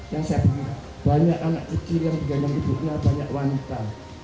yang saya bilang banyak anak kecil yang digendong ibu nya banyak wanita